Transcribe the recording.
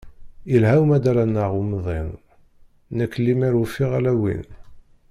Yelha umaḍal-a-nneɣ umḍin, nekk lemmer ufiɣ ala win.